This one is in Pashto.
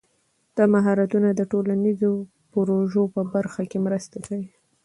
دا مهارتونه د ټولنیزو پروژو په برخه کې مرسته کوي.